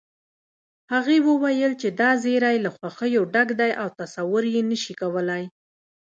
هغې وويل چې دا زيری له خوښيو ډک دی او تصور يې نشې کولی